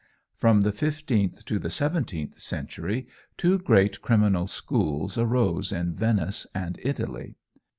From the fifteenth to the seventeenth century two great criminal schools arose in Venice and Italy.